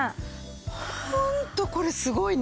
ホントこれすごいね。